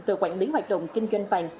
về quản lý hoạt động kinh doanh vàng